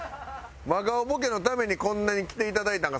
真顔ボケのためにこんなに来ていただいたんか？